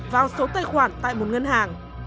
vào số tài khoản tại một ngân hàng